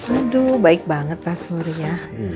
aduh baik banget pak surya